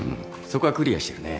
そこはクリアしてるね。